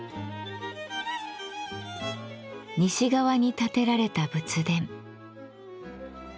西側に建てられた仏殿。